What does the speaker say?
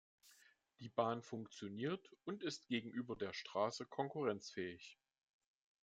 Die Bahn funktioniert und ist gegenüber der Straße konkurrenzfähig.